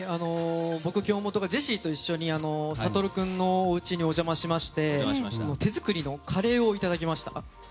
僕、京本がジェシーと一緒に理君のおうちにお邪魔しまして手作りのカレーをいただきました。